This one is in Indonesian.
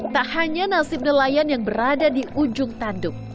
tak hanya nasib nelayan yang berada di ujung tanduk